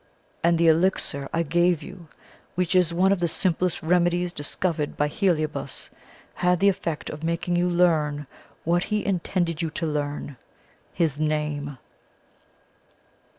And the elixir I gave you, which is one of the simplest remedies discovered by Heliobas, had the effect of making you learn what he intended you to learn his name."